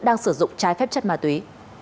đang sử dụng trái phép chất ma túy